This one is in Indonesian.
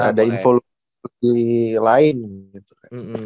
ada info di lain gitu kan